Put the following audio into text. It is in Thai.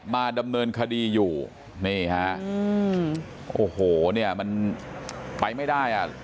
มาดำเนินคดีอยู่นี่ฮะอืมโอ้โหเนี่ยมันไปไม่ได้อ่ะ